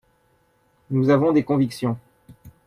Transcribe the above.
Nous avons des convictions.